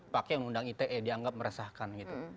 pakai undang undang it yang dianggap meresahkan